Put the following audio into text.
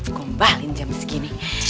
ngombalin jam segini